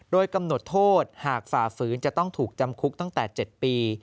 โดยกำหนดโทษหากฝ่าฝืนจะต้องถูกจำคุกตั้งแต่๗ปี